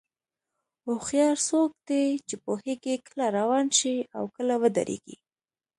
هوښیار څوک دی چې پوهېږي کله روان شي او کله ودرېږي.